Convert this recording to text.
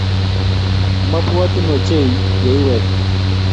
mwabwatin wochei yeiwek.